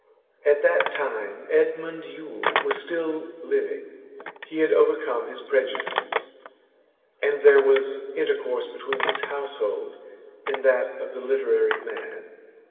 At that time Edmund Yule was still living; he had overcome his prejudices, and there was intercourse between his household and that of the literary man.